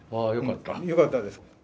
よかったです。